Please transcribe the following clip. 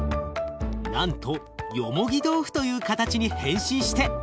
なんとよもぎ豆腐という形に変身して。